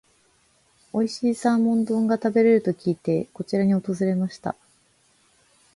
おいしいサーモン丼が食べれると聞いて、こちらに訪れました。